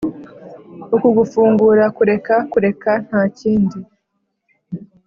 uku gufungura, kureka, kureka ntakindi.